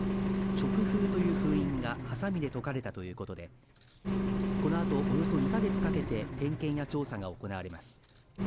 勅封という封印がはさみで解かれたということでこのあとおよそ２か月かけて点検や調査が行われます。